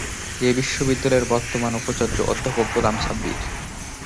এ বিশ্ববিদ্যালয়ের বর্তমান উপাচার্য অধ্যাপক গোলাম সাব্বির।